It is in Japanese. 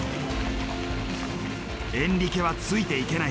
エンリケはついていけない。